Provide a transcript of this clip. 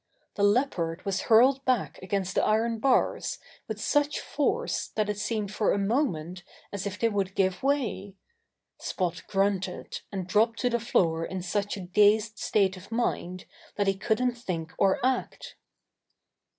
The Leopard was hurled back against the iron bars with such force that it 74 Buster the Bear seemed for a moment as if they would give way. Spot grunted, and dropped to the floor in such a dazed state of mind that he couldn^t think or act.